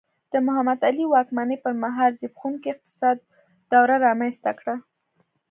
د محمد علي واکمنۍ پر مهال زبېښونکي اقتصاد دوره رامنځته کړه.